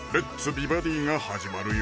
美バディ」が始まるよ